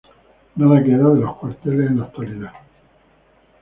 Nada queda de los cuarteles en la actualidad.